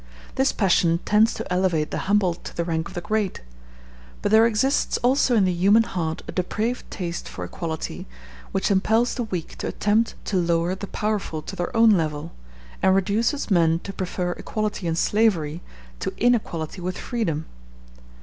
This passion tends to elevate the humble to the rank of the great; but there exists also in the human heart a depraved taste for equality, which impels the weak to attempt to lower the powerful to their own level, and reduces men to prefer equality in slavery to inequality with freedom.